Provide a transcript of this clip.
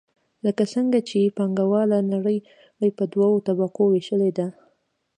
لکه څنګه چې پانګواله نړۍ په دوو طبقو ویشلې ده.